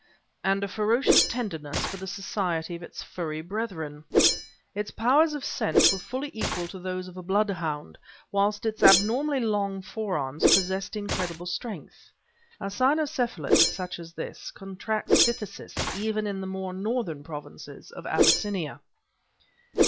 and a ferocious tenderness for the society of its furry brethren. Its powers of scent were fully equal to those of a bloodhound, whilst its abnormally long forearms possessed incredible strength... a Cynocephalyte such as this, contracts phthisis even in the more northern provinces of Abyssinia..."